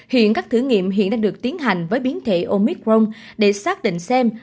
hiện các thử nghiệm hiện đang được tiến hành với biến thể omicron để xác định xem